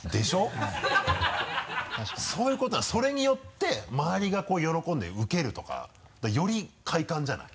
そういう事なのそれによって周りがこう喜んでウケるとかより快感じゃない？